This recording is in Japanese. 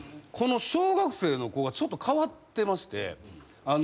この小学生の子がちょっと変わってまして。